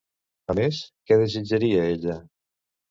A més, què desitjaria ella?